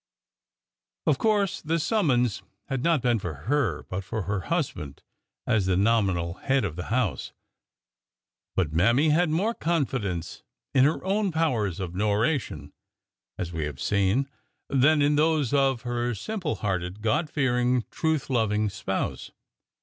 Of course the summons had not been for her, but for her husband as the nominal head of the house, but Mammy had more confidence in her own powers of '' norration," as we have seen, than in those of her simple hearted. God fearing, truth loving spouse.